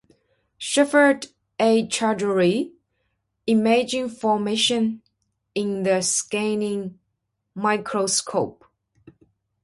Sheppard, A. Choudhury: Image Formation in the Scanning Microscope.